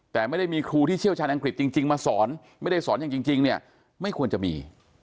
แต่ไม่ได้มีครูที่เชี่ยวชาญอังกฤษจริงมาสอนไม่ได้สอนอย่างจริงเนี่ยไม่ควรจะมี